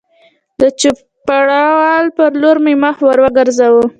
د چوپړوال په لور مې مخ ور وګرځاوه